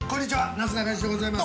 なすなかにしでございます。